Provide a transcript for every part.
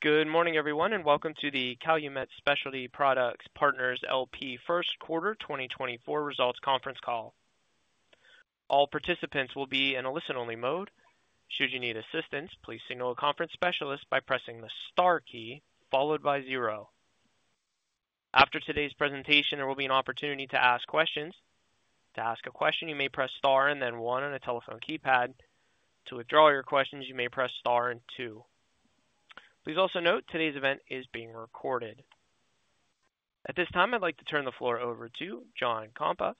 Good morning, everyone, and welcome to the Calumet Specialty Products Partners, L.P. First Quarter 2024 Results Conference Call. All participants will be in a listen-only mode. Should you need assistance, please signal a conference specialist by pressing the Star key followed by zero. After today's presentation, there will be an opportunity to ask questions. To ask a question, you may press Star and then one on a telephone keypad. To withdraw your questions, you may press Star and two. Please also note today's event is being recorded. At this time, I'd like to turn the floor over to John Kompa,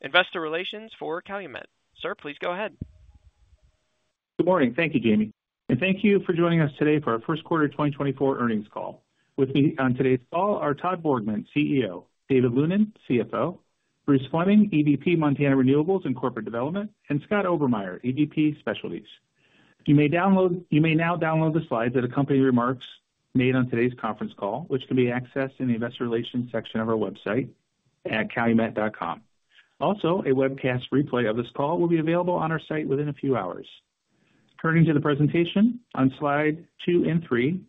Investor Relations for Calumet. Sir, please go ahead. Good morning. Thank you, Jamie, and thank you for joining us today for our first quarter 2024 earnings call. With me on today's call are Todd Borgman, CEO; David Lunin, CFO; Bruce Fleming, EVP, Montana Renewables and Corporate Development; and Scott Obermeier, EVP Specialties. You may now download the slides that accompany remarks made on today's conference call, which can be accessed in the Investor Relations section of our website at calumet.com. Also, a webcast replay of this call will be available on our site within a few hours. Turning to the presentation on slide 2 and 3,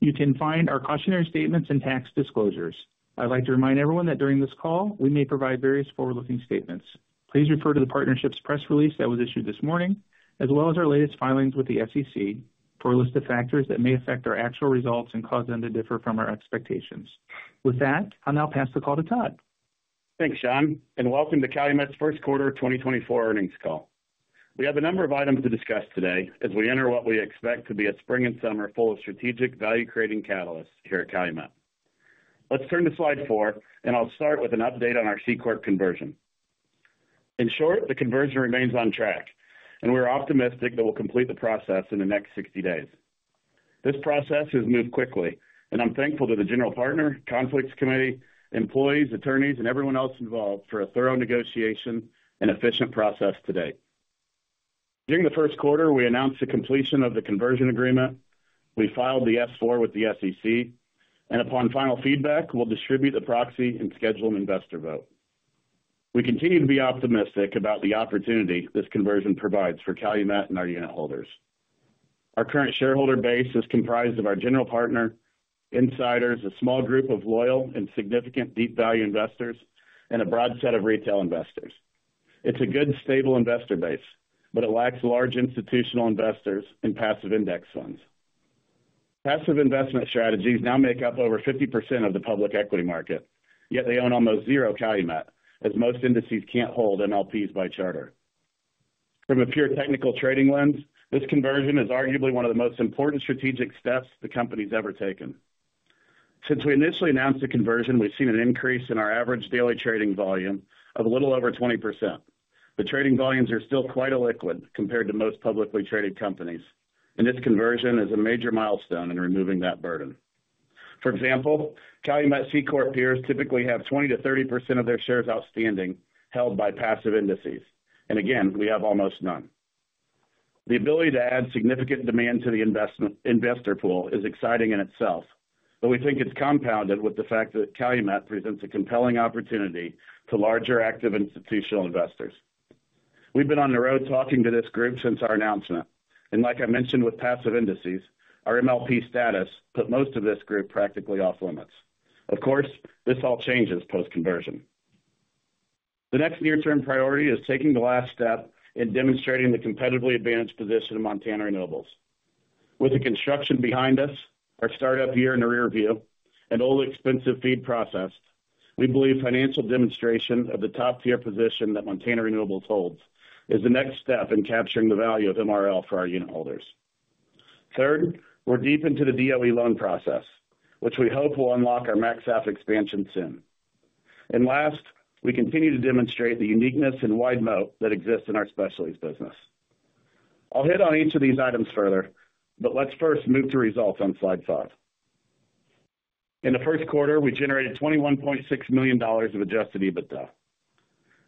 you can find our cautionary statements and tax disclosures. I'd like to remind everyone that during this call, we may provide various forward-looking statements. Please refer to the partnership's press release that was issued this morning, as well as our latest filings with the SEC for a list of factors that may affect our actual results and cause them to differ from our expectations. With that, I'll now pass the call to Todd. Thanks, John, and welcome to Calumet's first quarter 2024 earnings call. We have a number of items to discuss today as we enter what we expect to be a spring and summer full of strategic value-creating catalysts here at Calumet. Let's turn to slide 4, and I'll start with an update on our C-Corp conversion. In short, the conversion remains on track, and we're optimistic that we'll complete the process in the next 60 days. This process has moved quickly, and I'm thankful to the general partner, Conflicts Committee, employees, attorneys, and everyone else involved for a thorough negotiation and efficient process to date. During the first quarter, we announced the completion of the conversion agreement. We filed the S-4 with the SEC, and upon final feedback, we'll distribute the proxy and schedule an investor vote. We continue to be optimistic about the opportunity this conversion provides for Calumet and our unitholders. Our current shareholder base is comprised of our general partner, insiders, a small group of loyal and significant deep value investors, and a broad set of retail investors. It's a good, stable investor base, but it lacks large institutional investors and passive index funds. Passive investment strategies now make up over 50% of the public equity market, yet they own almost zero Calumet, as most indices can't hold MLPs by charter. From a pure technical trading lens, this conversion is arguably one of the most important strategic steps the company's ever taken. Since we initially announced the conversion, we've seen an increase in our average daily trading volume of a little over 20%. The trading volumes are still quite illiquid compared to most publicly traded companies, and this conversion is a major milestone in removing that burden. For example, Calumet C-Corp peers typically have 20%-30% of their shares outstanding, held by passive indices, and again, we have almost none. The ability to add significant demand to the investor pool is exciting in itself, but we think it's compounded with the fact that Calumet presents a compelling opportunity to larger, active institutional investors. We've been on the road talking to this group since our announcement, and like I mentioned, with passive indices, our MLP status put most of this group practically off-limits. Of course, this all changes post-conversion. The next near-term priority is taking the last step in demonstrating the competitively advanced position of Montana Renewables. With the construction behind us, our start-up year in the rear view, and old expensive feed processed, we believe financial demonstration of the top-tier position that Montana Renewables holds is the next step in capturing the value of MRL for our unitholders. Third, we're deep into the DOE loan process, which we hope will unlock our MaxSAF expansion soon. And last, we continue to demonstrate the uniqueness and wide moat that exists in our specialties business. I'll hit on each of these items further, but let's first move to results on slide five. In the first quarter, we generated $21.6 million of adjusted EBITDA.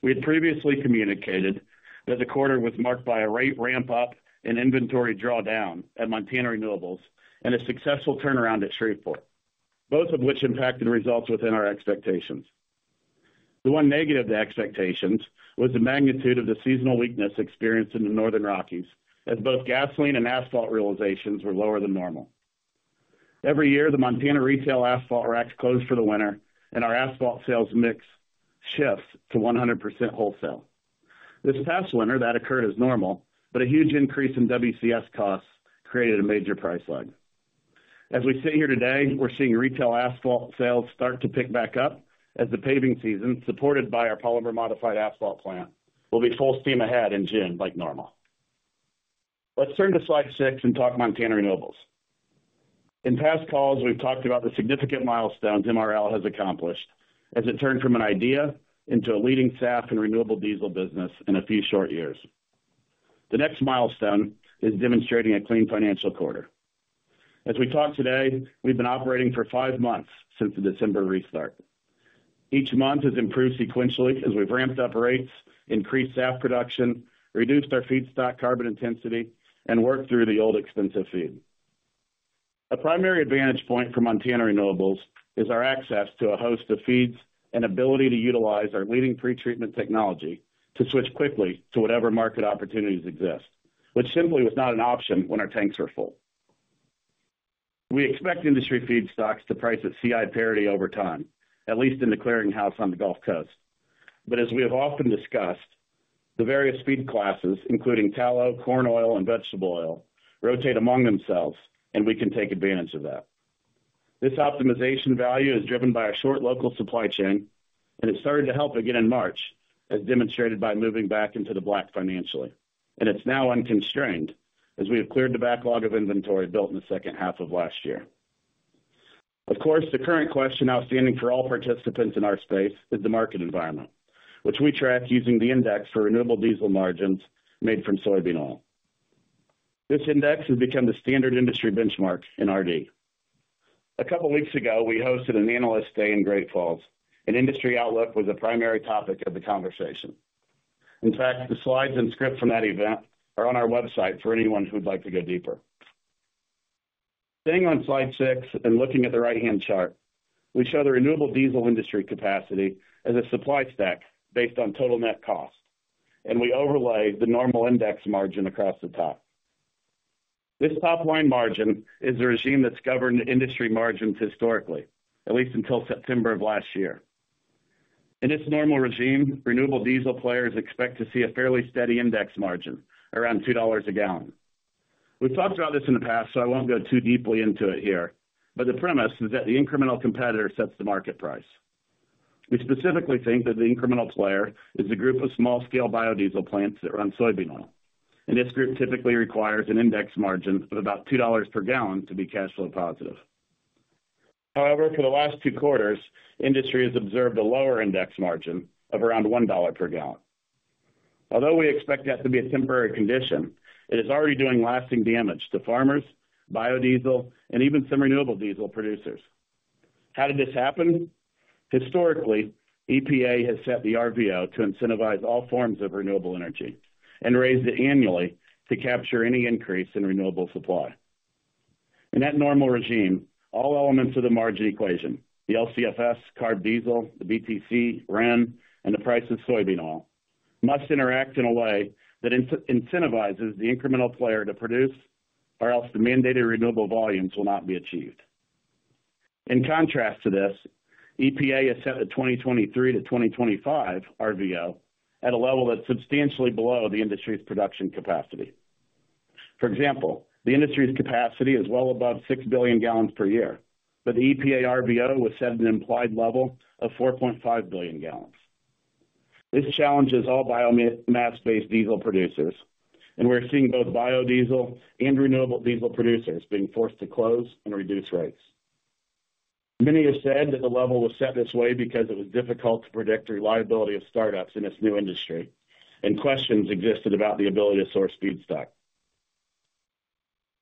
We had previously communicated that the quarter was marked by a rate ramp-up and inventory drawdown at Montana Renewables and a successful turnaround at Shreveport, both of which impacted results within our expectations. The one negative to expectations was the magnitude of the seasonal weakness experienced in the Northern Rockies, as both gasoline and asphalt realizations were lower than normal. Every year, the Montana retail asphalt racks close for the winter, and our asphalt sales mix shifts to 100% wholesale. This past winter, that occurred as normal, but a huge increase in WCS costs created a major price lag. As we sit here today, we're seeing retail asphalt sales start to pick back up as the paving season, supported by our polymer-modified asphalt plant, will be full steam ahead in June, like normal. Let's turn to slide 6 and talk Montana Renewables. In past calls, we've talked about the significant milestones MRL has accomplished as it turned from an idea into a leading SAF and renewable diesel business in a few short years. The next milestone is demonstrating a clean financial quarter. As we talk today, we've been operating for five months since the December restart. Each month has improved sequentially as we've ramped up rates, increased SAF production, reduced our feedstock carbon intensity, and worked through the old extensive feed. A primary advantage point for Montana Renewables is our access to a host of feeds and ability to utilize our leading pretreatment technology to switch quickly to whatever market opportunities exist, which simply was not an option when our tanks are full. We expect industry feedstocks to price at CI parity over time, at least in the clearinghouse on the Gulf Coast. But as we have often discussed, the various feed classes, including tallow, corn oil, and vegetable oil, rotate among themselves, and we can take advantage of that. This optimization value is driven by our short local supply chain, and it started to help again in March, as demonstrated by moving back into the black financially, and it's now unconstrained as we have cleared the backlog of inventory built in the second half of last year. Of course, the current question outstanding for all participants in our space is the market environment, which we track using the index for renewable diesel margins made from soybean oil. This index has become the standard industry benchmark in RD. A couple of weeks ago, we hosted an Analyst Day in Great Falls, and industry outlook was a primary topic of the conversation. In fact, the slides and script from that event are on our website for anyone who would like to go deeper. Staying on slide 6 and looking at the right-hand chart, we show the renewable diesel industry capacity as a supply stack based on total net cost, and we overlay the normal index margin across the top. This top-line margin is the regime that's governed industry margins historically, at least until September of last year. In its normal regime, renewable diesel players expect to see a fairly steady index margin around $2 a gallon. We've talked about this in the past, so I won't go too deeply into it here, but the premise is that the incremental competitor sets the market price. We specifically think that the incremental player is a group of small-scale biodiesel plants that run soybean oil, and this group typically requires an index margin of about $2 per gallon to be cash flow positive. However, for the last two quarters, industry has observed a lower index margin of around $1 per gallon. Although we expect that to be a temporary condition, it is already doing lasting damage to farmers, biodiesel, and even some renewable diesel producers. How did this happen? Historically, EPA has set the RVO to incentivize all forms of renewable energy and raised it annually to capture any increase in renewable supply. In that normal regime, all elements of the margin equation, the LCFS, CARB diesel, the BTC, RIN, and the price of soybean oil, must interact in a way that incentivizes the incremental player to produce, or else the mandated renewable volumes will not be achieved. In contrast to this, EPA has set a 2023-2025 RVO at a level that's substantially below the industry's production capacity. For example, the industry's capacity is well above 6 billion gallons per year, but the EPA RVO was set at an implied level of 4.5 billion gallons. This challenges all biomass-based diesel producers, and we're seeing both biodiesel and renewable diesel producers being forced to close and reduce rates. Many have said that the level was set this way because it was difficult to predict reliability of startups in this new industry, and questions existed about the ability to source feedstock.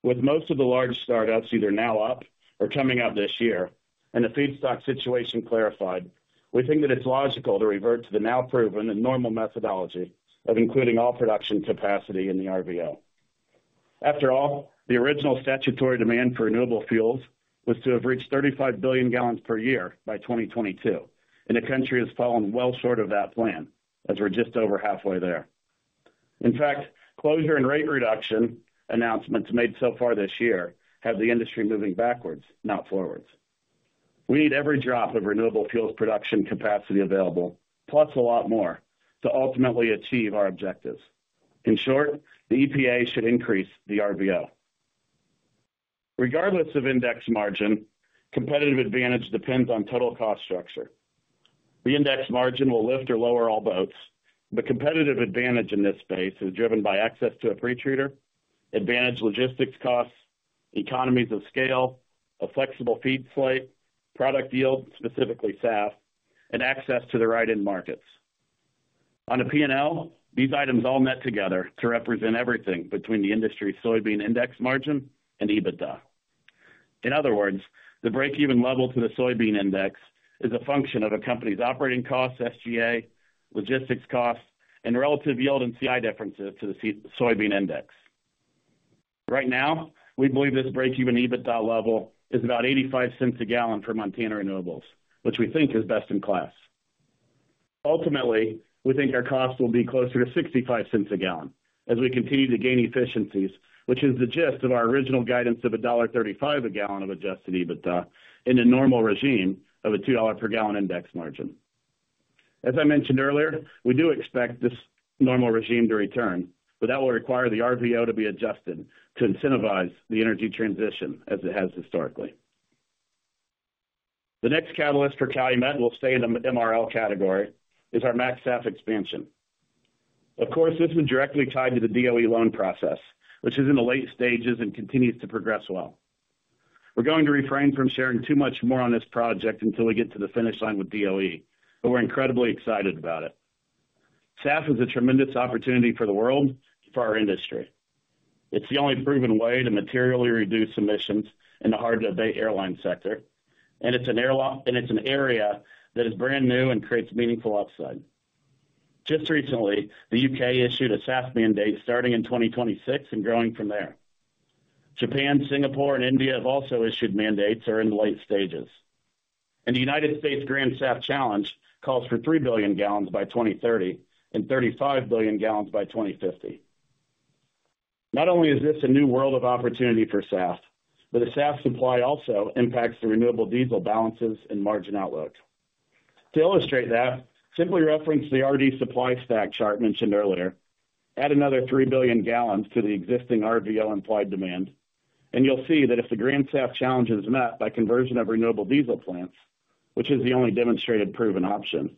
With most of the large startups either now up or coming out this year, and the feedstock situation clarified, we think that it's logical to revert to the now proven and normal methodology of including all production capacity in the RVO. After all, the original statutory demand for renewable fuels was to have reached 35 billion gallons per year by 2022, and the country has fallen well short of that plan, as we're just over halfway there. In fact, closure and rate reduction announcements made so far this year have the industry moving backwards, not forwards. We need every drop of renewable fuels production capacity available, plus a lot more, to ultimately achieve our objectives. In short, the EPA should increase the RVO. Regardless of index margin, competitive advantage depends on total cost structure. The index margin will lift or lower all boats, but competitive advantage in this space is driven by access to a pretreater, advantage logistics costs, economies of scale, a flexible feed slate, product yield, specifically SAF, and access to the right end markets. On a P&L, these items all net together to represent everything between the industry's soybean index margin and EBITDA. In other words, the break-even level to the soybean index is a function of a company's operating costs, SGA, logistics costs, and relative yield and CI differences to the soybean index. Right now, we believe this break-even EBITDA level is about $0.85 per gallon for Montana Renewables, which we think is best in class. Ultimately, we think our cost will be closer to $0.65 per gallon as we continue to gain efficiencies, which is the gist of our original guidance of $1.35 per gallon of adjusted EBITDA in a normal regime of a $2 per gallon index margin. As I mentioned earlier, we do expect this normal regime to return, but that will require the RVO to be adjusted to incentivize the energy transition as it has historically. The next catalyst for Calumet, and we'll stay in the MRL category, is our MaxSAF expansion. Of course, this one's directly tied to the DOE loan process, which is in the late stages and continues to progress well. We're going to refrain from sharing too much more on this project until we get to the finish line with DOE, but we're incredibly excited about it. SAF is a tremendous opportunity for the world, for our industry. It's the only proven way to materially reduce emissions in the hard-to-abate airline sector, and it's an area that is brand new and creates meaningful upside. Just recently, the U.K. issued a SAF mandate starting in 2026 and growing from there. Japan, Singapore, and India have also issued mandates or are in the late stages... The United States Grand SAF Challenge calls for 3 billion gallons by 2030 and 35 billion gallons by 2050. Not only is this a new world of opportunity for SAF, but the SAF supply also impacts the renewable diesel balances and margin outlook. To illustrate that, simply reference the RD supply stack chart mentioned earlier. Add another 3 billion gallons to the existing RVO implied demand, and you'll see that if the Grand SAF Challenge is met by conversion of renewable diesel plants, which is the only demonstrated proven option,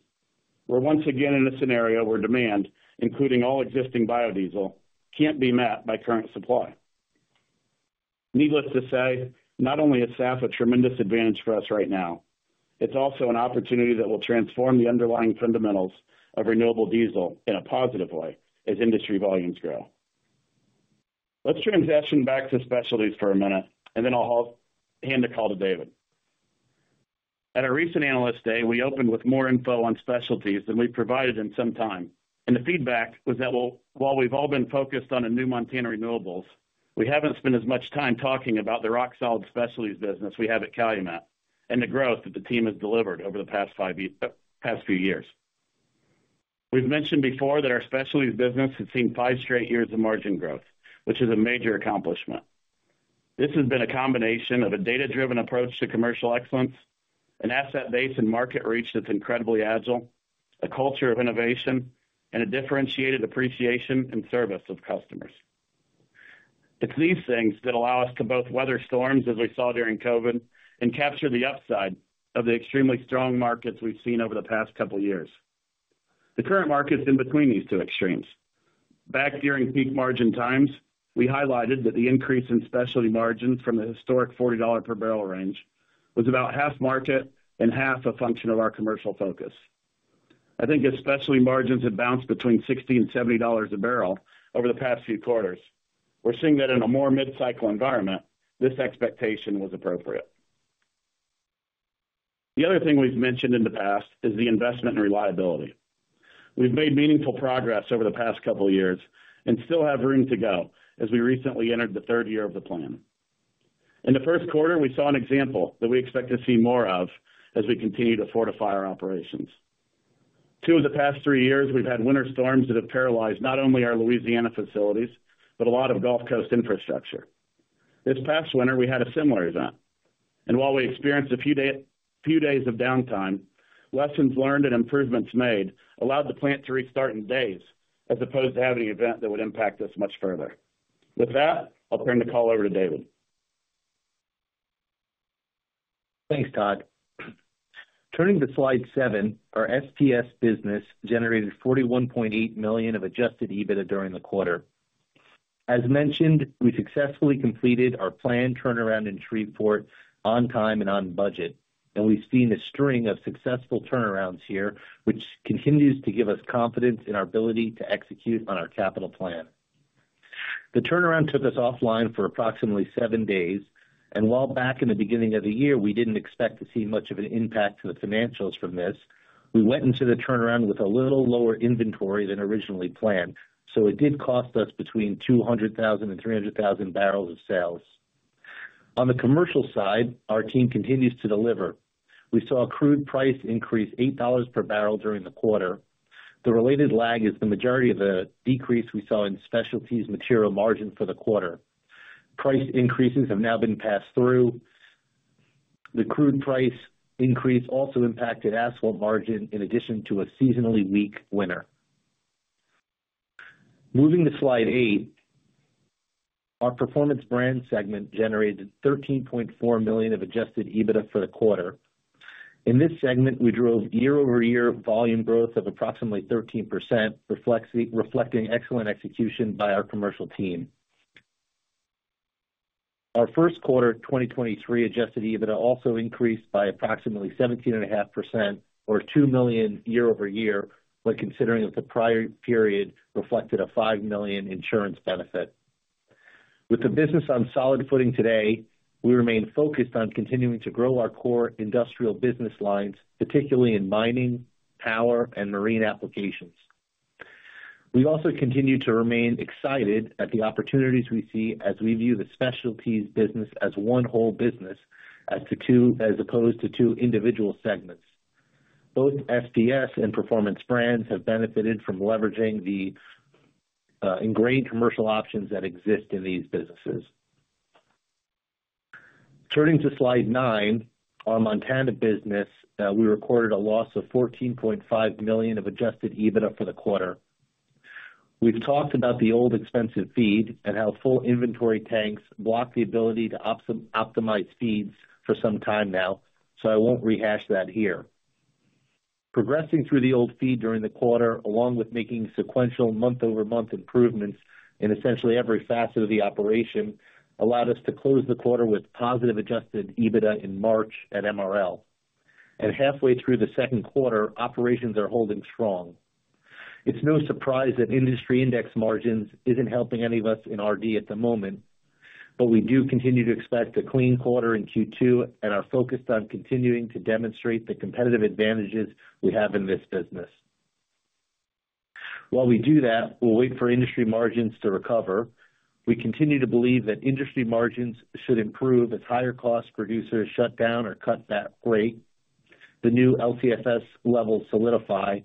we're once again in a scenario where demand, including all existing biodiesel, can't be met by current supply. Needless to say, not only is SAF a tremendous advantage for us right now, it's also an opportunity that will transform the underlying fundamentals of renewable diesel in a positive way as industry volumes grow. Let's transition back to specialties for a minute, and then I'll hand the call to David. At our recent Analyst Day, we opened with more info on specialties than we've provided in some time, and the feedback was that while we've all been focused on a new Montana Renewables, we haven't spent as much time talking about the rock-solid specialties business we have at Calumet and the growth that the team has delivered over the past five years, past few years. We've mentioned before that our specialties business has seen five straight years of margin growth, which is a major accomplishment. This has been a combination of a data-driven approach to commercial excellence, an asset base and market reach that's incredibly agile, a culture of innovation, and a differentiated appreciation and service of customers. It's these things that allow us to both weather storms, as we saw during COVID, and capture the upside of the extremely strong markets we've seen over the past couple years. The current market's in between these two extremes. Back during peak margin times, we highlighted that the increase in specialty margins from the historic $40 per barrel range was about half market and half a function of our commercial focus. I think as specialty margins have bounced between $60 and $70 a barrel over the past few quarters, we're seeing that in a more mid-cycle environment, this expectation was appropriate. The other thing we've mentioned in the past is the investment in reliability. We've made meaningful progress over the past couple of years and still have room to go as we recently entered the third year of the plan. In the first quarter, we saw an example that we expect to see more of as we continue to fortify our operations. Two of the past three years, we've had winter storms that have paralyzed not only our Louisiana facilities, but a lot of Gulf Coast infrastructure. This past winter, we had a similar event, and while we experienced a few days of downtime, lessons learned and improvements made allowed the plant to restart in days, as opposed to having an event that would impact us much further. With that, I'll turn the call over to David. Thanks, Todd. Turning to slide 7, our STS business generated $41.8 million of Adjusted EBITDA during the quarter. As mentioned, we successfully completed our planned turnaround in Shreveport on time and on budget, and we've seen a string of successful turnarounds here, which continues to give us confidence in our ability to execute on our capital plan. The turnaround took us offline for approximately 7 days, and while back in the beginning of the year, we didn't expect to see much of an impact to the financials from this, we went into the turnaround with a little lower inventory than originally planned, so it did cost us between 200,000 and 300,000 barrels of sales. On the commercial side, our team continues to deliver. We saw crude price increase $8 per barrel during the quarter. The related lag is the majority of the decrease we saw in specialties material margin for the quarter. Price increases have now been passed through. The crude price increase also impacted asphalt margin in addition to a seasonally weak winter. Moving to slide 8, our Performance Brands segment generated $13.4 million of adjusted EBITDA for the quarter. In this segment, we drove year-over-year volume growth of approximately 13%, reflecting excellent execution by our commercial team. Our first quarter 2023 adjusted EBITDA also increased by approximately 17.5% or $2 million year-over-year, but considering that the prior period reflected a $5 million insurance benefit. With the business on solid footing today, we remain focused on continuing to grow our core industrial business lines, particularly in mining, power, and marine applications. We've also continued to remain excited at the opportunities we see as we view the specialties business as one whole business, as opposed to two individual segments. Both STS and Performance Brands have benefited from leveraging the ingrained commercial options that exist in these businesses. Turning to slide 9, our Montana business, we recorded a loss of $14.5 million of adjusted EBITDA for the quarter. We've talked about the old expensive feed and how full inventory tanks block the ability to optimize feeds for some time now, so I won't rehash that here. Progressing through the old feed during the quarter, along with making sequential month-over-month improvements in essentially every facet of the operation, allowed us to close the quarter with positive adjusted EBITDA in March and MRL. Halfway through the second quarter, operations are holding strong. It's no surprise that industry index margins isn't helping any of us in RD at the moment, but we do continue to expect a clean quarter in Q2 and are focused on continuing to demonstrate the competitive advantages we have in this business. While we do that, we'll wait for industry margins to recover. We continue to believe that industry margins should improve as higher cost producers shut down or cut back rate, the new LCFS levels solidify,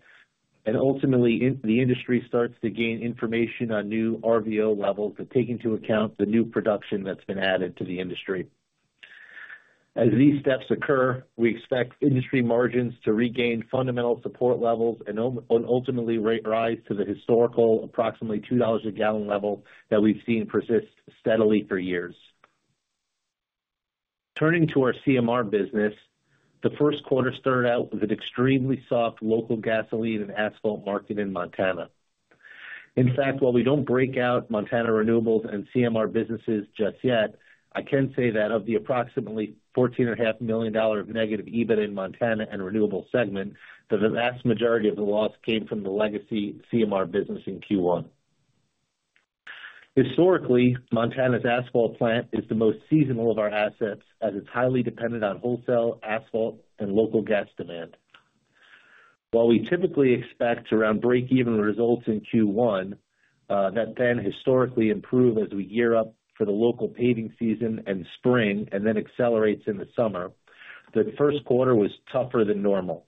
and ultimately, the industry starts to gain information on new RVO levels that take into account the new production that's been added to the industry. As these steps occur, we expect industry margins to regain fundamental support levels and ultimately, rates rise to the historical approximately $2 a gallon level that we've seen persist steadily for years. Turning to our CMR business, the first quarter started out with an extremely soft local gasoline and asphalt market in Montana. In fact, while we don't break out Montana Renewables and CMR businesses just yet, I can say that of the approximately $14.5 million negative EBIT in Montana and Renewable segment, that the vast majority of the loss came from the legacy CMR business in Q1. Historically, Montana's asphalt plant is the most seasonal of our assets, as it's highly dependent on wholesale asphalt and local gas demand. While we typically expect around breakeven results in Q1, that then historically improve as we gear up for the local paving season and spring, and then accelerates in the summer, the first quarter was tougher than normal.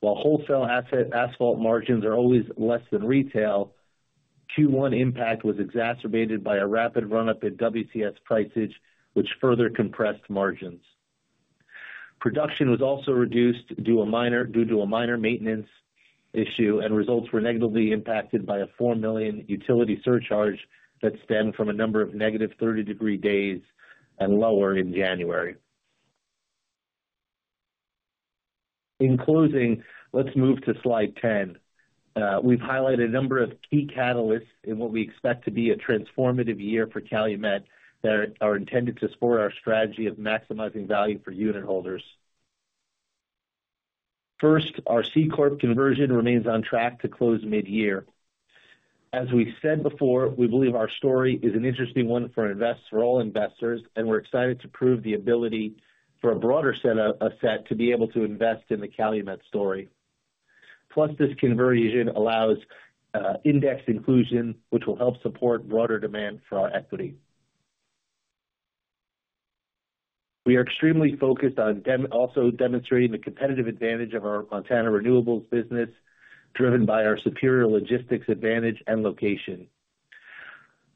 While wholesale asphalt margins are always less than retail, Q1 impact was exacerbated by a rapid run-up in WCS prices, which further compressed margins. Production was also reduced due to a minor maintenance issue, and results were negatively impacted by a $4 million utility surcharge that stemmed from a number of negative 30-degree days and lower in January. In closing, let's move to slide 10. We've highlighted a number of key catalysts in what we expect to be a transformative year for Calumet that are intended to support our strategy of maximizing value for unit holders. First, our C-Corp conversion remains on track to close mid-year. As we've said before, we believe our story is an interesting one for all investors, and we're excited to prove the ability for a broader set of asset to be able to invest in the Calumet story. Plus, this conversion allows index inclusion, which will help support broader demand for our equity. We are extremely focused on also demonstrating the competitive advantage of our Montana Renewables business, driven by our superior logistics advantage and location.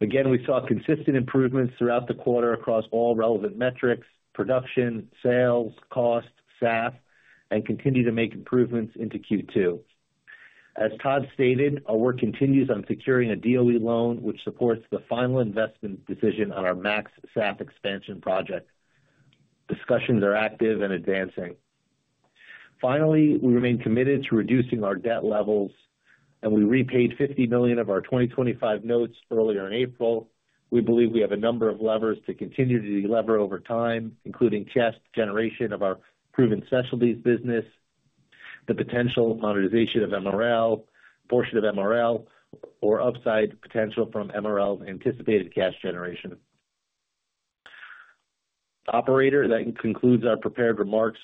Again, we saw consistent improvements throughout the quarter across all relevant metrics, production, sales, cost, SAF, and continue to make improvements into Q2. As Todd stated, our work continues on securing a DOE loan, which supports the final investment decision on our MaxSAF expansion project. Discussions are active and advancing. Finally, we remain committed to reducing our debt levels, and we repaid $50 million of our 2025 notes earlier in April. We believe we have a number of levers to continue to delever over time, including cash generation of our proven specialties business, the potential monetization of MRL, portion of MRL, or upside potential from MRL's anticipated cash generation. Operator, that concludes our prepared remarks.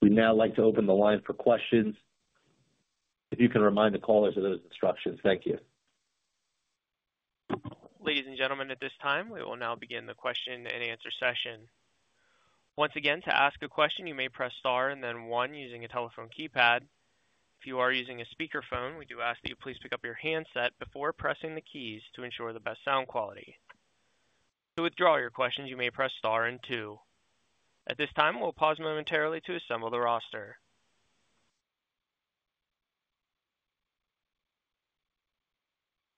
We'd now like to open the line for questions. If you can remind the callers of those instructions. Thank you. Ladies and gentlemen, at this time, we will now begin the question-and-answer session. Once again, to ask a question, you may press Star and then One using your telephone keypad. If you are using a speakerphone, we do ask that you please pick up your handset before pressing the keys to ensure the best sound quality. To withdraw your questions, you may press Star and two. At this time, we'll pause momentarily to assemble the roster.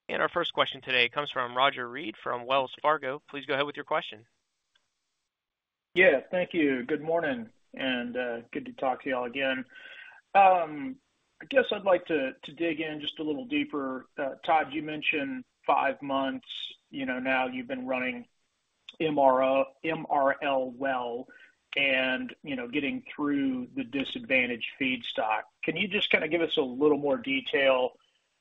And our first question today comes from Roger Read, from Wells Fargo. Please go ahead with your question. Yeah, thank you. Good morning, and good to talk to you all again. I guess I'd like to dig in just a little deeper. Todd, you mentioned 5 months, you know, now you've been running MRL well and, you know, getting through the disadvantaged feedstock. Can you just kinda give us a little more detail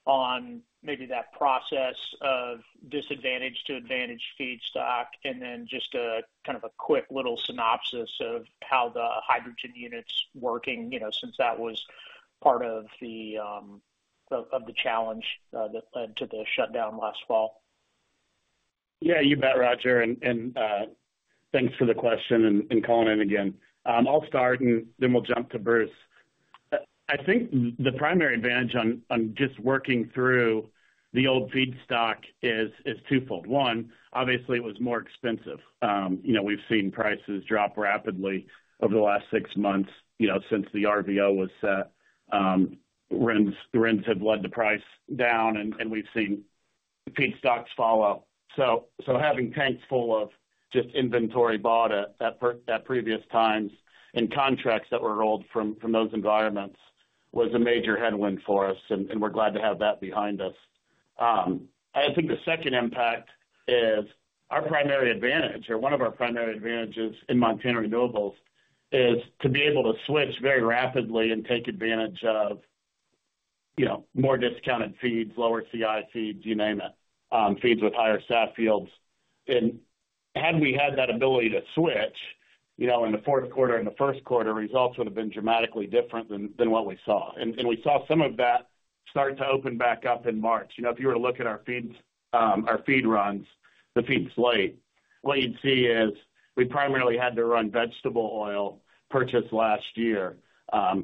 on maybe that process of disadvantaged to advantaged feedstock? And then just a kind of a quick little synopsis of how the hydrogen unit's working, you know, since that was part of the challenge that led to the shutdown last fall. Yeah, you bet, Roger. And thanks for the question and calling in again. I'll start, and then we'll jump to Bruce. I think the primary advantage on just working through the old feedstock is twofold. One, obviously, it was more expensive. You know, we've seen prices drop rapidly over the last six months, you know, since the RVO was set. RINS have led the price down and we've seen feedstocks follow. So having tanks full of just inventory bought at previous times and contracts that were rolled from those environments was a major headwind for us, and we're glad to have that behind us. I think the second impact is our primary advantage, or one of our primary advantages in Montana Renewables, is to be able to switch very rapidly and take advantage of, you know, more discounted feeds, lower CI feeds, you name it, feeds with higher SAF fields. And Had we had that ability to switch, you know, in the fourth quarter and the first quarter, results would have been dramatically different than, than what we saw. And, and we saw some of that start to open back up in March. You know, if you were to look at our feeds, our feed runs, the feed slate, what you'd see is we primarily had to run vegetable oil purchased last year,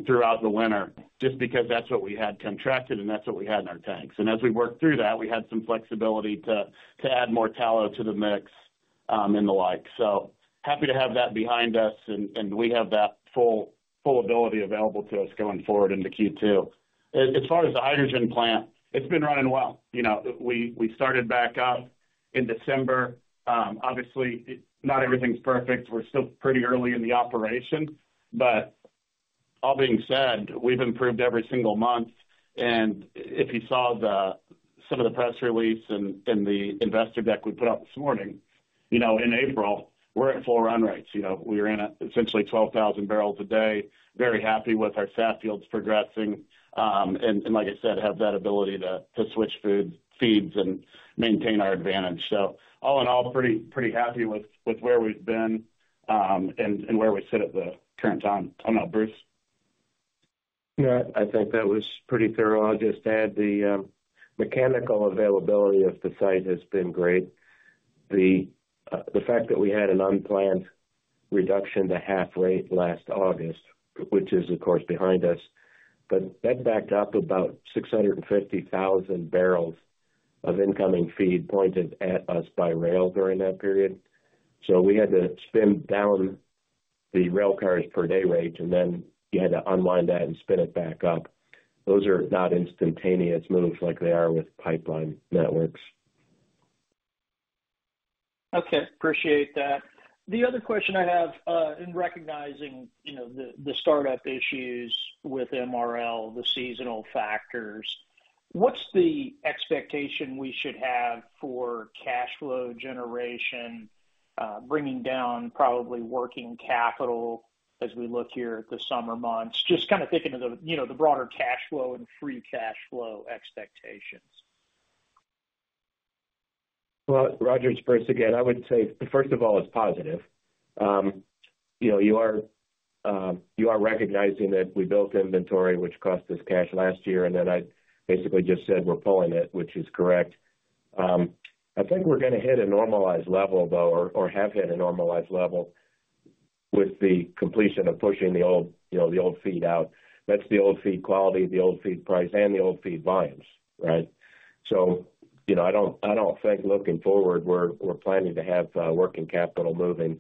throughout the winter, just because that's what we had contracted and that's what we had in our tanks. And as we worked through that, we had some flexibility to, to add more tallow to the mix, and the like. So happy to have that behind us, and, and we have that full, full ability available to us going forward into Q2. As, as far as the hydrogen plant, it's been running well. You know, we started back up in December. Obviously, not everything's perfect. We're still pretty early in the operation, but all being said, we've improved every single month. And if you saw some of the press release and the investor deck we put out this morning, you know, in April, we're at full run rates. You know, we're in at essentially 12,000 barrels a day, very happy with our stat fields progressing, and like I said, have that ability to switch feedstocks and maintain our advantage. So all in all, pretty, pretty happy with where we've been, and where we sit at the current time. Time out, Bruce? Yeah, I think that was pretty thorough. I'll just add the mechanical availability of the site has been great. The fact that we had an unplanned reduction to half rate last August, which is, of course, behind us, but that backed up about 650,000 barrels of incoming feed pointed at us by rail during that period. So we had to spin down the rail cars per day rate, and then you had to unwind that and spin it back up. Those are not instantaneous moves like they are with pipeline networks. Okay, appreciate that. The other question I have, in recognizing, you know, the, the startup issues with MRL, the seasonal factors, what's the expectation we should have for cash flow generation, bringing down probably working capital as we look here at the summer months? Just kind of thinking of the, you know, the broader cash flow and free cash flow expectations. Well, Roger, it's Bruce again. I would say, first of all, it's positive. You know, you are recognizing that we built inventory, which cost us cash last year, and then I basically just said we're pulling it, which is correct. I think we're gonna hit a normalized level, though, or have hit a normalized level with the completion of pushing the old, you know, the old feed out. That's the old feed quality, the old feed price, and the old feed volumes, right? So, you know, I don't think looking forward, we're planning to have working capital moving.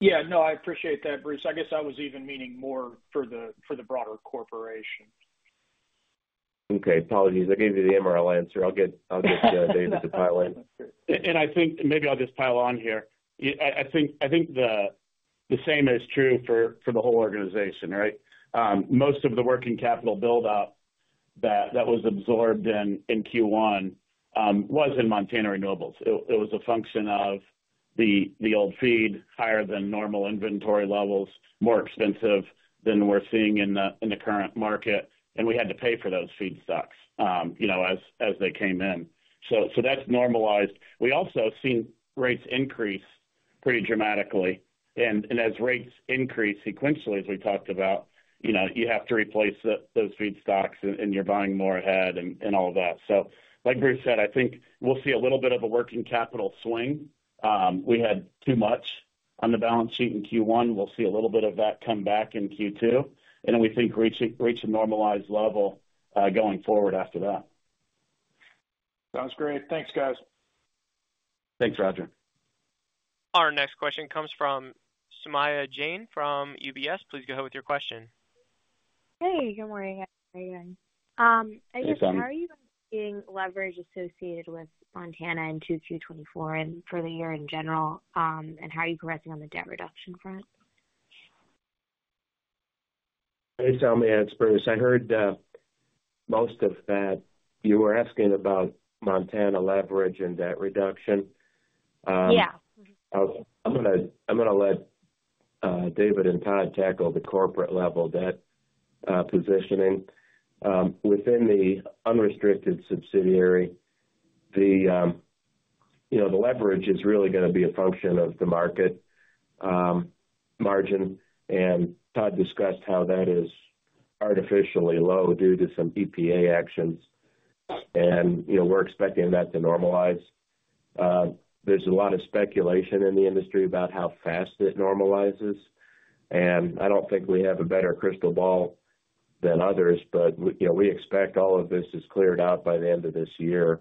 Yeah, no, I appreciate that, Bruce. I guess I was even meaning more for the broader corporation. Okay, apologies. I gave you the MRL answer. I'll get, I'll get David to pile in. And I think maybe I'll just pile on here. I think the same is true for the whole organization, right? Most of the working capital buildup that was absorbed in Q1 was in Montana Renewables. It was a function of the old feed, higher than normal inventory levels, more expensive than we're seeing in the current market, and we had to pay for those feedstocks, you know, as they came in. So that's normalized. We also have seen rates increase pretty dramatically, and as rates increase sequentially, as we talked about, you know, you have to replace those feedstocks, and you're buying more ahead and all of that. So like Bruce said, I think we'll see a little bit of a working capital swing. We had too much on the balance sheet in Q1. We'll see a little bit of that come back in Q2, and then we think reach a normalized level, going forward after that. Sounds great. Thanks, guys. Thanks, Roger. Our next question comes from Saumya Jain from UBS. Please go ahead with your question. Hey, good morning, everyone. Hey, Saum. How are you seeing leverage associated with Montana in 2024 and for the year in general? And how are you progressing on the debt reduction front? Hey, Sam. It's Bruce. I heard most of that. You were asking about Montana leverage and debt reduction. Yeah. I'm gonna let David and Todd tackle the corporate level debt positioning. Within the unrestricted subsidiary, you know, the leverage is really gonna be a function of the market margin, and Todd discussed how that is artificially low due to some EPA actions. You know, we're expecting that to normalize. There's a lot of speculation in the industry about how fast it normalizes, and I don't think we have a better crystal ball than others, but, you know, we expect all of this is cleared out by the end of this year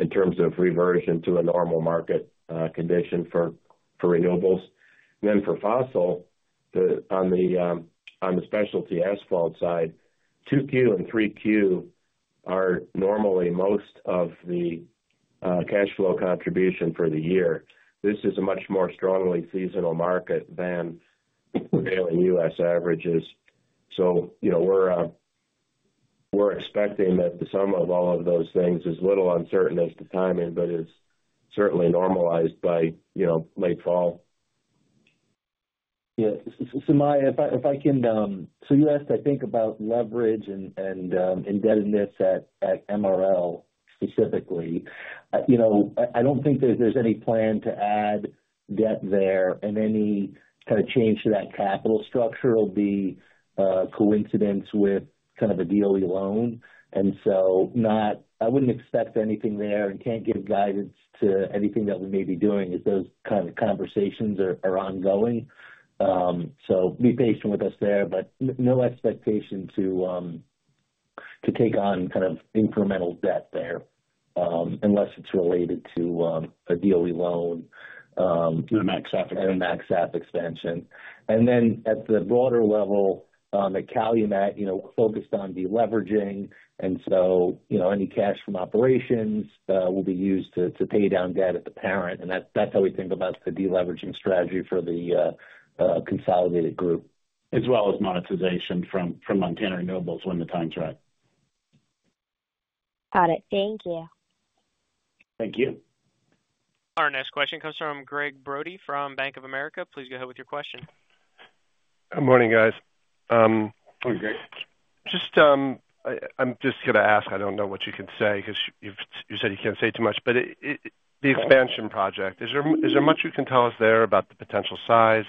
in terms of reversion to a normal market condition for renewables. Then for fossil, on the specialty asphalt side, 2Q and 3Q are normally most of the cash flow contribution for the year. This is a much more strongly seasonal market than the daily U.S. averages. So you know, we're, we're expecting that the sum of all of those things is a little uncertain as to timing, but it's certainly normalized by, you know, late fall. Yeah. So, Saumaya, if I can, so you asked, I think, about leverage and indebtedness at MRL specifically. You know, I don't think there's any plan to add debt there, and any kind of change to that capital structure will be coincidence with kind of a deal alone. And so not—I wouldn't expect anything there and can't give guidance to anything that we may be doing as those kind of conversations are ongoing. So be patient with us there, but no expectation to take on kind of incremental debt there, unless it's related to a daily loan. The MaxSAF. And a MaxSAF expansion. And then at the broader level, at Calumet, you know, focused on deleveraging, and so, you know, any cash from operations, will be used to pay down debt at the parent, and that's how we think about the deleveraging strategy for the consolidated group. As well as monetization from Montana Renewables when the time's right. Got it. Thank you. Thank you. Our next question comes from Gregg Brody from Bank of America. Please go ahead with your question. Good morning, guys. Good morning, Greg. Just, I'm just gonna ask. I don't know what you can say because you said you can't say too much, but the expansion project, is there, is there much you can tell us there about the potential size?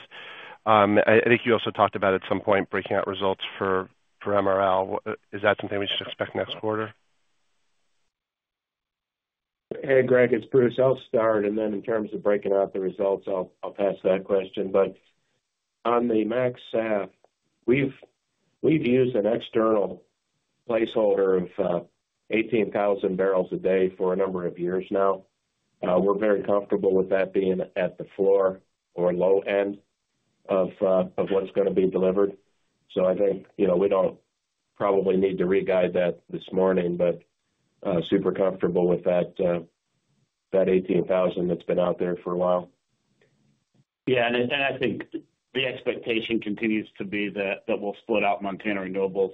I think you also talked about at some point, breaking out results for MRL. Is that something we should expect next quarter? Hey, Greg, it's Bruce. I'll start, and then in terms of breaking out the results, I'll pass that question. But on the MaxSAF, we've used an external placeholder of 18,000 barrels a day for a number of years now. We're very comfortable with that being at the floor or low end of what's gonna be delivered. So I think, you know, we don't probably need to re-guide that this morning, but super comfortable with that, that 18,000 that's been out there for a while. Yeah, and I think the expectation continues to be that we'll split out Montana Renewables,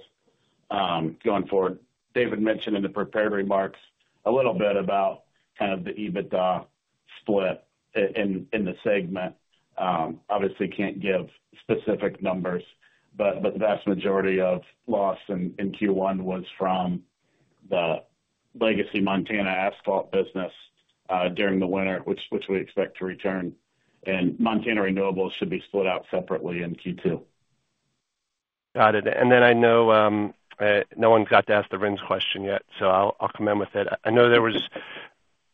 going forward. David mentioned in the prepared remarks a little bit about kind of the EBITDA split in the segment. Obviously can't give specific numbers, but the vast majority of loss in Q1 was from the legacy Montana Asphalt business, during the winter, which we expect to return, and Montana Renewables should be split out separately in Q2. Got it. And then I know no one's got to ask the RINS question yet, so I'll come in with it. I know there was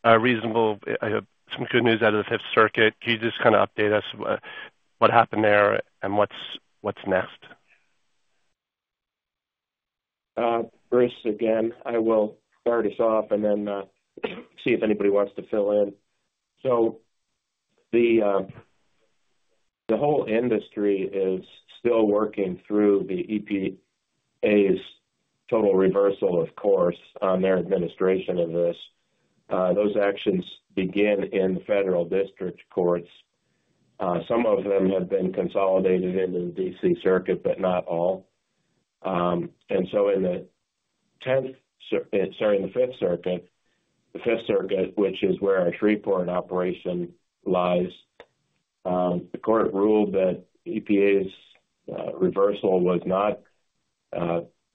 a reasonable, some good news out of the Fifth Circuit. Can you just kind of update us what happened there and what's next? Bruce, again, I will start us off and then see if anybody wants to fill in. So the whole industry is still working through the EPA's total reversal, of course, on their administration of this. Those actions begin in the federal district courts. Some of them have been consolidated in the D.C. circuit, but not all. In the Fifth Circuit, the Fifth Circuit, which is where our Shreveport operation lies, the court ruled that EPA's reversal was not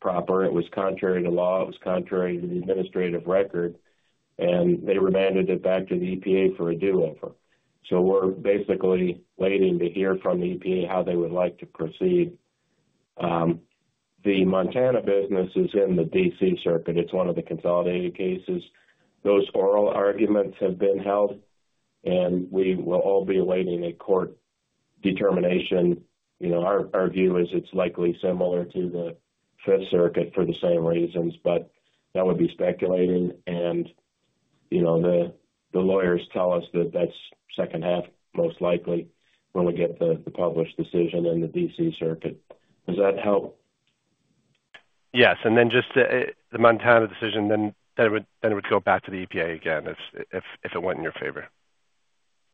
proper. It was contrary to law, it was contrary to the administrative record, and they remanded it back to the EPA for a do-over. So we're basically waiting to hear from the EPA how they would like to proceed. The Montana business is in the D.C. Circuit. It's one of the consolidated cases. Those oral arguments have been held, and we will all be awaiting a court determination. You know, our view is it's likely similar to the Fifth Circuit for the same reasons, but that would be speculating. You know, the lawyers tell us that that's second half, most likely, when we get the published decision in the D.C. circuit. Does that help? Yes. And then just the Montana decision, then it would go back to the EPA again, if it wasn't in your favor.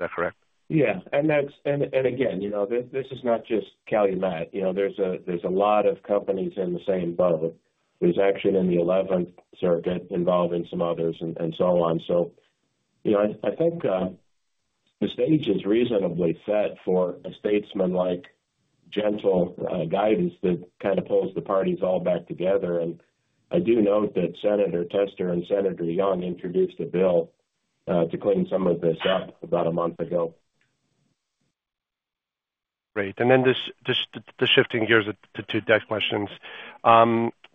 Is that correct? Yeah. And that's. And again, you know, this is not just Calumet. You know, there's a lot of companies in the same boat. There's action in the Eleventh Circuit involving some others and so on. So, you know, I think the stage is reasonably set for a statesmanlike, gentle guidance that kind of pulls the parties all back together. And I do note that Senator Tester and Senator Young introduced a bill to clean some of this up about a month ago. Great. And then just the shifting gears to two quick questions.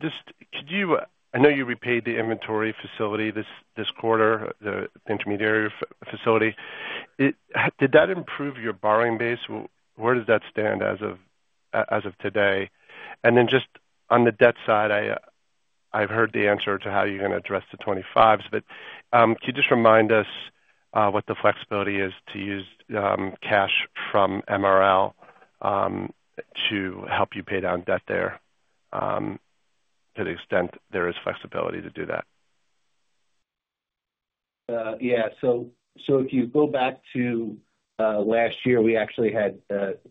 Just could you—I know you repaid the inventory facility this quarter, the ABL facility. Did that improve your borrowing base? Where does that stand as of today? And then just on the debt side, I've heard the answer to how you're gonna address the 2025s, but can you just remind us what the flexibility is to use cash from MRL to help you pay down debt there to the extent there is flexibility to do that? Yeah. So, if you go back to last year, we actually had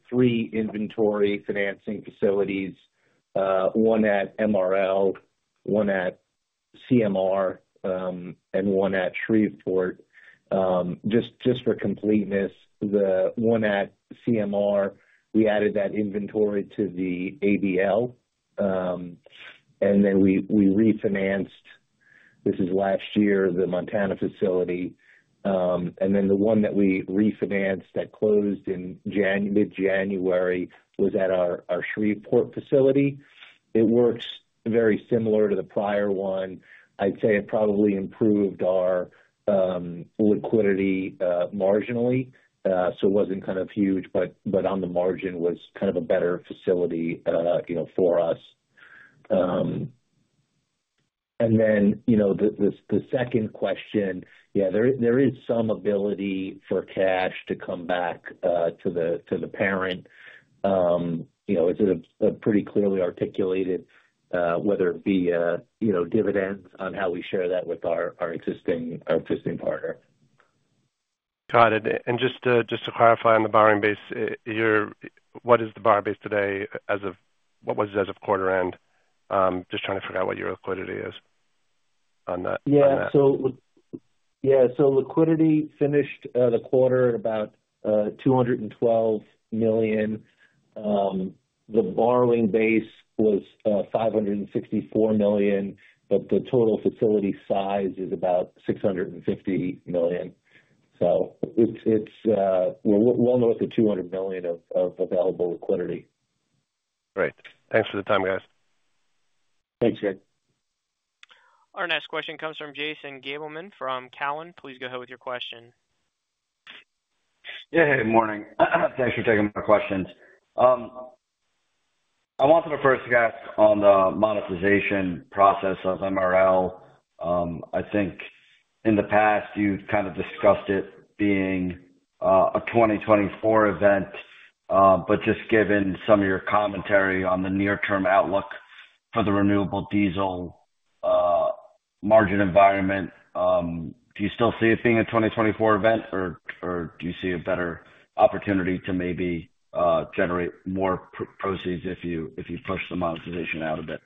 three inventory financing facilities, one at MRL, one at CMR, and one at Shreveport. Just for completeness, the one at CMR, we added that inventory to the ABL, and then we refinanced, this is last year, the Montana facility. And then the one that we refinanced that closed in mid-January was at our Shreveport facility. It works very similar to the prior one. I'd say it probably improved our liquidity marginally. So it wasn't kind of huge, but on the margin was kind of a better facility, you know, for us. And then, you know, the second question, yeah, there is some ability for cash to come back to the parent. You know, it's a pretty clearly articulated, whether it be, you know, dividends on how we share that with our existing partner. Got it. And just to, just to clarify on the borrowing base, what is the borrowing base today as of... What was it as of quarter end? Just trying to figure out what your liquidity is on that, on that. Yeah. So yeah, so liquidity finished the quarter about $212 million. The borrowing base was $564 million, but the total facility size is about $650 million. So it's, it's well more than the $200 million of available liquidity. Great. Thanks for the time, guys. Thanks, Gregg, Our next question comes from Jason Gabelman from Cowen. Please go ahead with your question. Yeah. Hey, morning. Thanks for taking my questions. I wanted to first get on the monetization process of MRL. I think in the past, you've kind of discussed it being a 2024 event, but just given some of your commentary on the near-term outlook for the renewable diesel margin environment, do you still see it being a 2024 event, or do you see a better opportunity to maybe generate more proceeds if you push the monetization out a bit?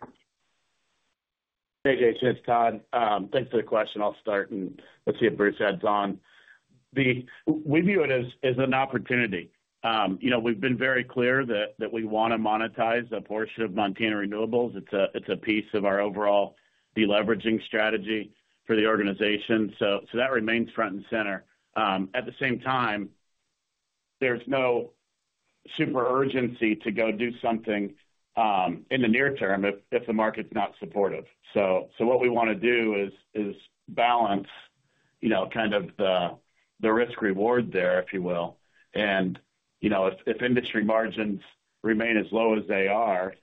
Hey, Jason, it's Todd. Thanks for the question. I'll start and let's see if Bruce adds on. We view it as an opportunity. You know, we've been very clear that we wanna monetize a portion of Montana Renewables. It's a piece of our overall deleveraging strategy for the organization. So that remains front and center. At the same time, there's no super urgency to go do something in the near term if the market's not supportive. So what we wanna do is balance, you know, kind of the risk reward there, if you will. You know, if industry margins remain as low as they are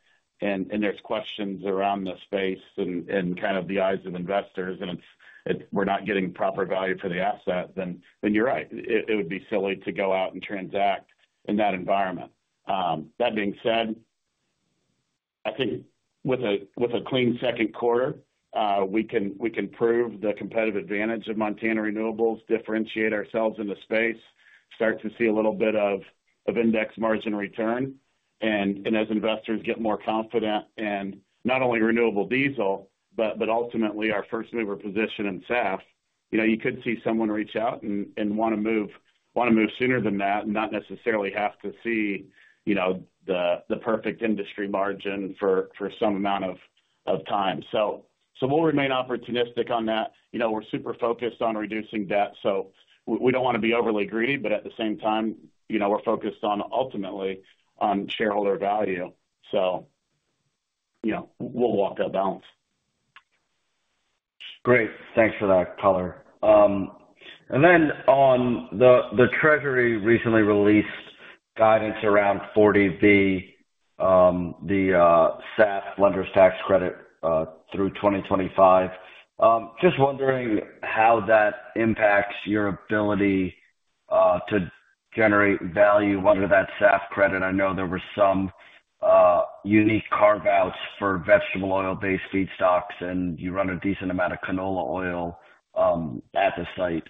and there's questions around the space and kind of in the eyes of investors, and we're not getting proper value for the asset, then you're right. It would be silly to go out and transact in that environment. That being said, I think with a clean second quarter, we can prove the competitive advantage of Montana Renewables, differentiate ourselves in the space, start to see a little bit of index margin return. As investors get more confident and not only renewable diesel, but ultimately our first mover position in SAF, you know, you could see someone reach out and wanna move sooner than that and not necessarily have to see, you know, the perfect industry margin for some amount of time. So we'll remain opportunistic on that. You know, we're super focused on reducing debt, so we don't wanna be overly greedy, but at the same time, you know, we're focused on ultimately on shareholder value. So, you know, we'll walk that balance. Great. Thanks for that color. And then on the Treasury recently released guidance around 40B, the SAF blenders tax credit, through 2025. Just wondering how that impacts your ability to generate value under that SAF credit. I know there were some unique carve-outs for vegetable oil-based feedstocks, and you run a decent amount of canola oil at the site.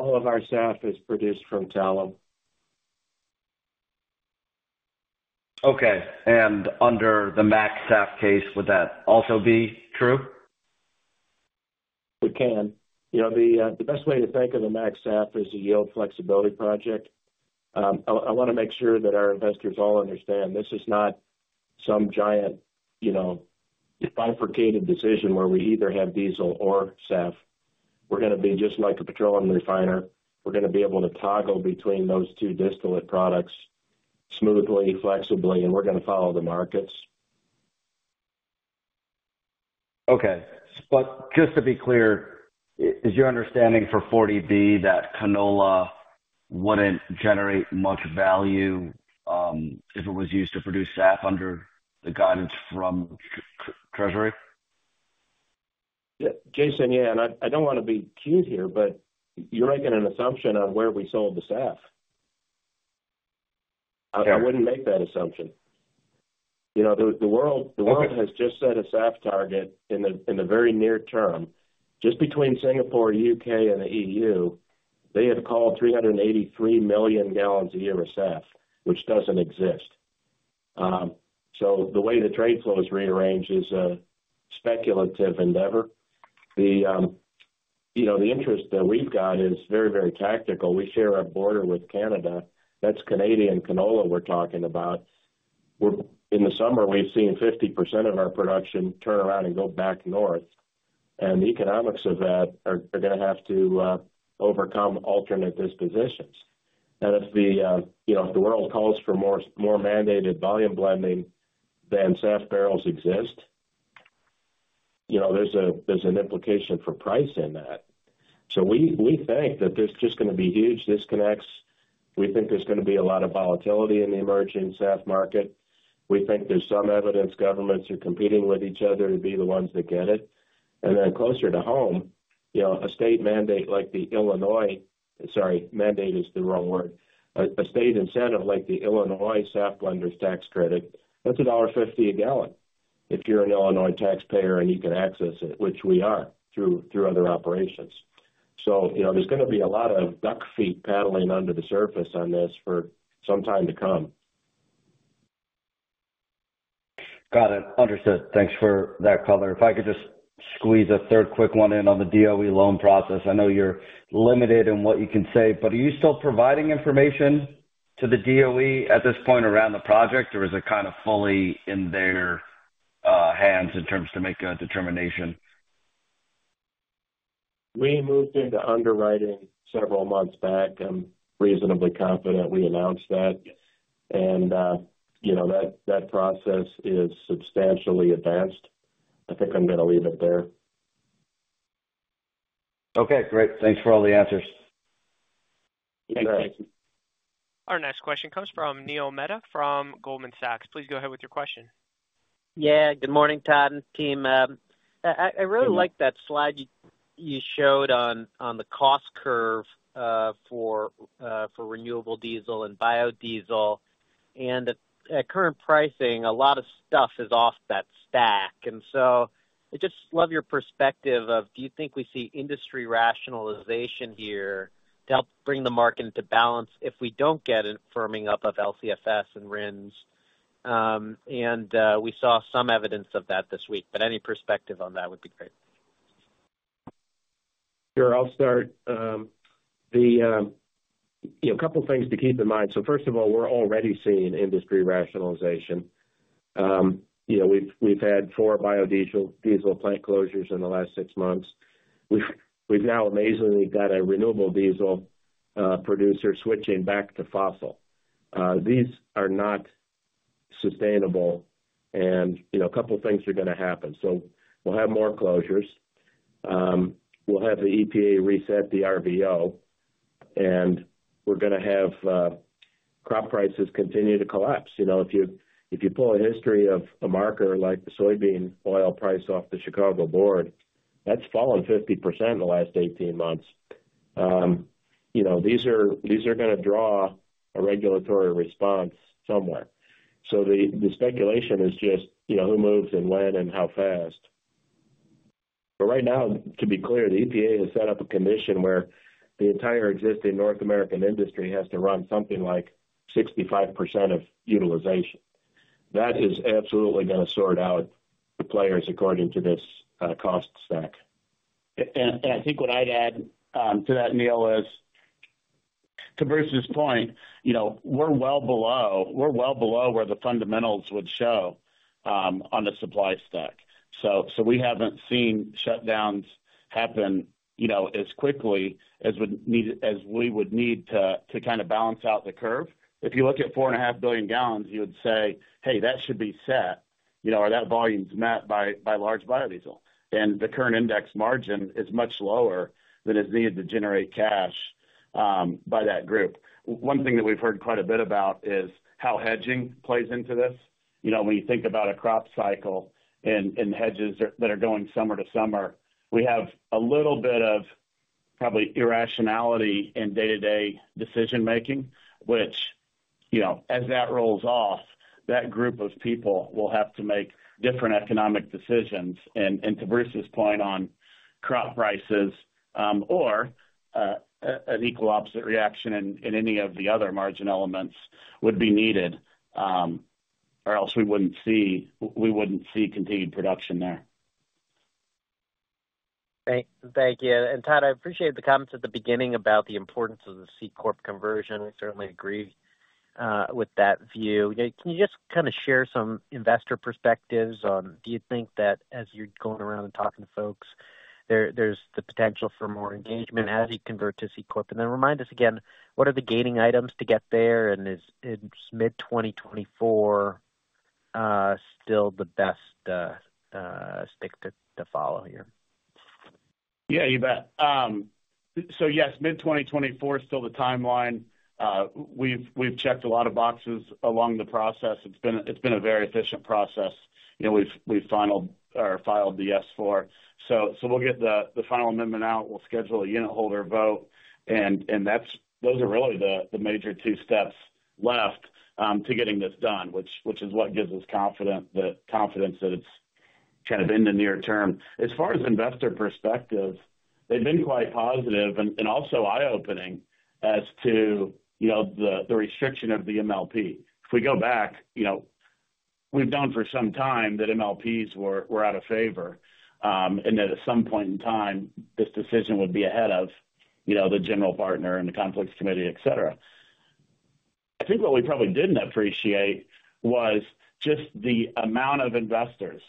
All of our SAF is produced from tallow. Okay. Under the MaxSAF case, would that also be true? It can. You know, the best way to think of the MaxSAF is a yield flexibility project. I wanna make sure that our investors all understand this is not some giant, you know, bifurcated decision where we either have diesel or SAF. We're gonna be just like a petroleum refiner. We're gonna be able to toggle between those two distillate products smoothly, flexibly, and we're gonna follow the markets. Okay. But just to be clear, is your understanding for 40B, that canola wouldn't generate much value, if it was used to produce SAF under the guidance from Treasury? Yeah. Jason, yeah, and I, I don't wanna be cute here, but you're making an assumption on where we sold the SAF. Yeah. I wouldn't make that assumption. You know, the world- Okay. The world has just set a SAF target in the very near term, just between Singapore, U.K., and the E.U.... they had called 383 million gallons a year of SAF, which doesn't exist. So the way the trade flow is rearranged is a speculative endeavor. The, you know, the interest that we've got is very, very tactical. We share our border with Canada. That's Canadian canola we're talking about, where in the summer, we've seen 50% of our production turn around and go back north, and the economics of that are gonna have to overcome alternate dispositions. And if the, you know, if the world calls for more more mandated volume blending than SAF barrels exist, you know, there's an implication for price in that. So we, we think that there's just gonna be huge disconnects. We think there's gonna be a lot of volatility in the emerging SAF market. We think there's some evidence governments are competing with each other to be the ones that get it. And then closer to home, you know, a state mandate like the Illinois, sorry, mandate is the wrong word. A state incentive like the Illinois SAF blenders tax credit, that's $1.50 a gallon if you're an Illinois taxpayer and you can access it, which we are, through other operations. So, you know, there's gonna be a lot of duck feet paddling under the surface on this for some time to come. Got it. Understood. Thanks for that color. If I could just squeeze a third quick one in on the DOE loan process. I know you're limited in what you can say, but are you still providing information to the DOE at this point around the project, or is it kind of fully in their hands in terms to make a determination? We moved into underwriting several months back. I'm reasonably confident we announced that, and, you know, that, that process is substantially advanced. I think I'm gonna leave it there. Okay, great. Thanks for all the answers. Thanks. Our next question comes from Neil Mehta from Goldman Sachs. Please go ahead with your question. Yeah, good morning, Todd and team. Good morning. I really like that slide you showed on the cost curve for renewable diesel and biodiesel, and at current pricing, a lot of stuff is off that stack. And so I'd just love your perspective of, do you think we see industry rationalization here to help bring the market into balance if we don't get a firming up of LCFS and RINs? And we saw some evidence of that this week, but any perspective on that would be great. Sure, I'll start. You know, a couple of things to keep in mind. So first of all, we're already seeing industry rationalization. You know, we've, we've had 4 biodiesel diesel plant closures in the last 6 months. We've, we've now amazingly got a renewable diesel producer switching back to fossil. These are not sustainable and, you know, a couple of things are gonna happen. So we'll have more closures. We'll have the EPA reset the RVO, and we're gonna have crop prices continue to collapse. You know, if you, if you pull a history of a marker like the soybean oil price off the Chicago Board, that's fallen 50% in the last 18 months. You know, these are, these are gonna draw a regulatory response somewhere. So the speculation is just, you know, who moves and when and how fast. But right now, to be clear, the EPA has set up a condition where the entire existing North American industry has to run something like 65% of utilization. That is absolutely gonna sort out the players according to this cost stack. I think what I'd add to that, Neil, is to Bruce's point, you know, we're well below where the fundamentals would show on the supply stack. So we haven't seen shutdowns happen, you know, as quickly as we would need to kind of balance out the curve. If you look at 4.5 billion gallons, you would say, "Hey, that should be set," you know, or that volume is met by large biodiesel, and the current index margin is much lower than is needed to generate cash by that group. One thing that we've heard quite a bit about is how hedging plays into this. You know, when you think about a crop cycle and hedges that are going summer to summer, we have a little bit of probably irrationality in day-to-day decision making, which, you know, as that rolls off, that group of people will have to make different economic decisions. To Bruce's point on crop prices, or an equal opposite reaction in any of the other margin elements would be needed, or else we wouldn't see, we wouldn't see continued production there. Thank you. And Todd, I appreciate the comments at the beginning about the importance of the C-Corp conversion. I certainly agree with that view. Can you just kind of share some investor perspectives on, do you think that as you're going around and talking to folks, there's the potential for more engagement as you convert to C-Corp? And then remind us again, what are the gaining items to get there, and is mid-2024 still the best stick to follow here? Yeah, you bet. So yes, mid-2024 is still the timeline. We've checked a lot of boxes along the process. It's been a very efficient process. You know, we've finalized or filed the S-4. So we'll get the final amendment out. We'll schedule a unitholder vote, and that's those are really the major two steps left to getting this done, which is what gives us the confidence that it's kind of in the near term. As far as investor perspective, they've been quite positive and also eye-opening as to, you know, the restriction of the MLP. If we go back, you know, we've known for some time that MLPs were out of favor, and that at some point in time, this decision would be ahead of, you know, the general partner and the Conflicts Committee, et cetera. I think what we probably didn't appreciate was just the amount of investors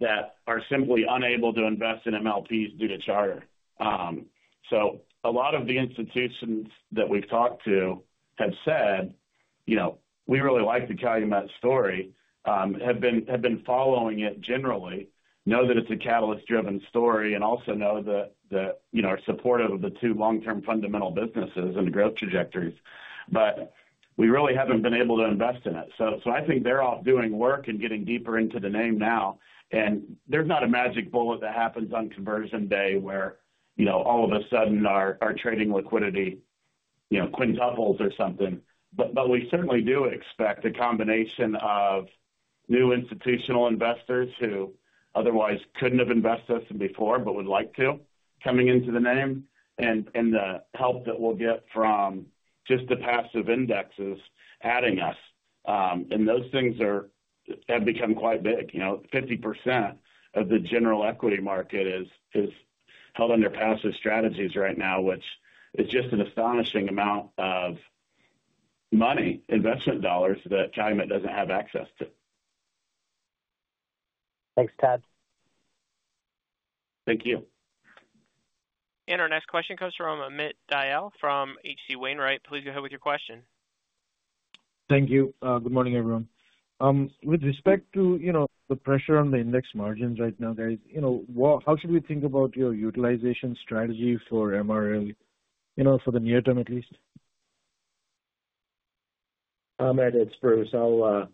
that are simply unable to invest in MLPs due to charter. So a lot of the institutions that we've talked to have said, "You know, we really like the Calumet story," have been following it generally, know that it's a catalyst-driven story, and also know that, you know, are supportive of the two long-term fundamental businesses and growth trajectories. But we really haven't been able to invest in it. So I think they're all doing work and getting deeper into the name now. There's not a magic bullet that happens on conversion day, where, you know, all of a sudden our, our trading liquidity, you know, quintuples or something. But we certainly do expect a combination of new institutional investors who otherwise couldn't have invested before but would like to, coming into the name, and the help that we'll get from just the passive indexes adding us. And those things are, have become quite big. You know, 50% of the general equity market is, is held under passive strategies right now, which is just an astonishing amount of money, investment dollars, that Calumet doesn't have access to. Thanks, Todd. Thank you. Our next question comes from Amit Dayal from H.C. Wainwright. Please go ahead with your question. Thank you. Good morning, everyone. With respect to, you know, the pressure on the index margins right now, there is, you know, how should we think about your utilization strategy for MRL, you know, for the near term, at least? Amit, it's Bruce. I'll,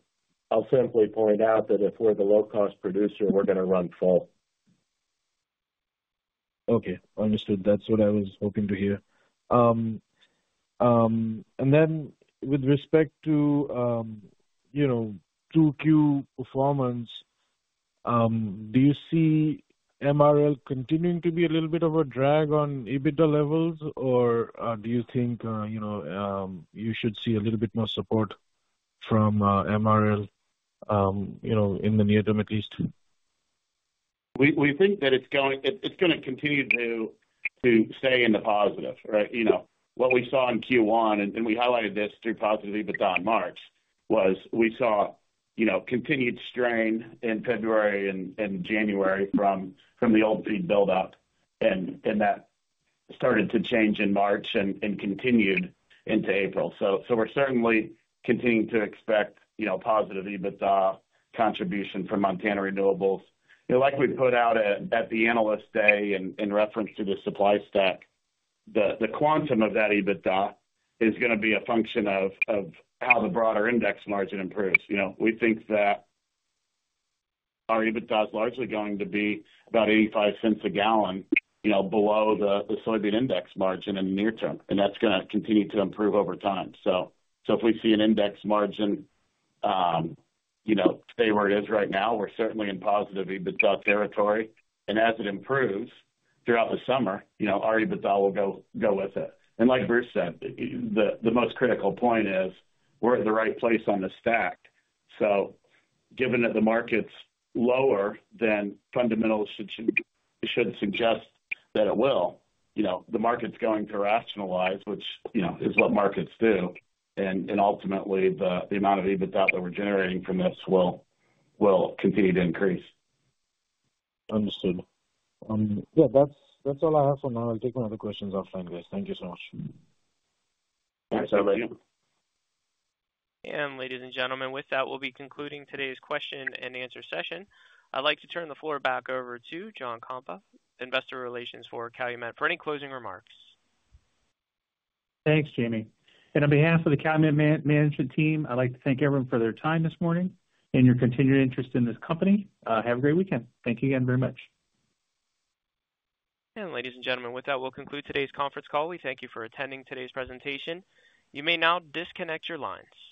I'll simply point out that if we're the low-cost producer, we're gonna run full. Okay, understood. That's what I was hoping to hear. And then with respect to, you know, 2Q performance, do you see MRL continuing to be a little bit of a drag on EBITDA levels? Or, do you think, you know, you should see a little bit more support from, MRL, you know, in the near term, at least? We think that it's going, it's gonna continue to stay in the positive, right? You know, what we saw in Q1, and we highlighted this through positive EBITDA in March, was we saw, you know, continued strain in February and January from the old feed buildup, and that started to change in March and continued into April. So we're certainly continuing to expect, you know, positive EBITDA contribution from Montana Renewables. You know, like we put out at the Analyst Day in reference to the supply stack, the quantum of that EBITDA is gonna be a function of how the broader index margin improves. You know, we think that our EBITDA is largely going to be about $0.85 a gallon, you know, below the soybean index margin in the near term, and that's gonna continue to improve over time. So if we see an index margin, you know, stay where it is right now, we're certainly in positive EBITDA territory. And as it improves throughout the summer, you know, our EBITDA will go with it. And like Bruce said, the most critical point is, we're at the right place on the stack. So given that the market's lower than fundamentals should suggest that it will, you know, the market's going to rationalize, which, you know, is what markets do. And ultimately, the amount of EBITDA that we're generating from this will continue to increase. Understood. Yeah, that's all I have for now. I'll take my other questions offline, guys. Thank you so much. Thanks, Amit. Ladies and gentlemen, with that, we'll be concluding today's question and answer session. I'd like to turn the floor back over to John Kampa, Investor Relations for Calumet, for any closing remarks. Thanks, Jamie. On behalf of the Calumet management team, I'd like to thank everyone for their time this morning and your continued interest in this company. Have a great weekend. Thank you again very much. Ladies and gentlemen, with that, we'll conclude today's conference call. We thank you for attending today's presentation. You may now disconnect your lines.